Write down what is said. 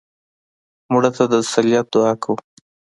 مړه ته د تسلیت دعا کوو